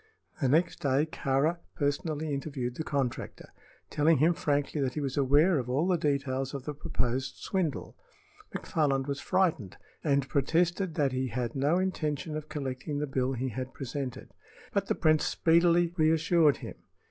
The next day Kāra personally interviewed the contractor, telling him frankly that he was aware of all the details of the proposed swindle. McFarland was frightened, and protested that he had no intention of collecting the bill he had presented. But the prince speedily reassured him.